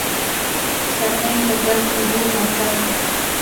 سرعین د ګرمو اوبو مرکز دی.